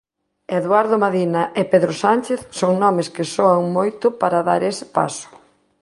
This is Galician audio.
Eduardo Madina e Pedro Sánchez son nomes que soan moito para dar ese paso.